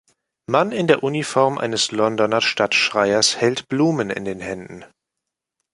Mann in der Uniform eines Londoner Stadtschreiers hält Blumen in den Händen.